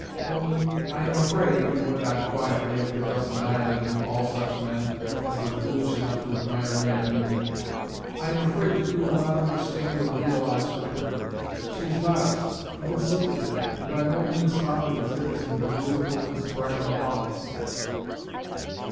"Only, I am afraid," he went on quietly, after thus annihilating all such men as were foolish enough to admire mere beauty, "I am afraid that you will not understand or realise her quickly. She is modest, even secretive, and by no means fond of exhibiting her beautiful and surprising qualities.